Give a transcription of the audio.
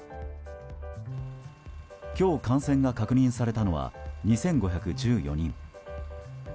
今日、感染が確認されたのは２５１４人。